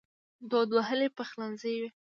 دود وهلی پخلنځی وي